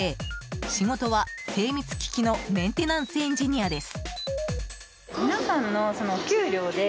仕事は精密機器のメンテナンスエンジニアです。